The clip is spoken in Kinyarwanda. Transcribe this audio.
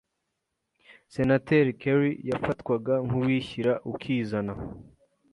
Senateri Kerry yafatwaga nkuwishyira ukizana.